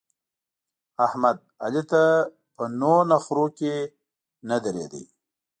احمد؛ علي ته په نو نخرو کې نه درېد.